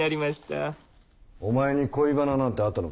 お前に恋バナなんてあったのか？